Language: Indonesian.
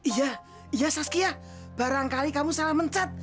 iya iya saskia barangkali kamu salah mencat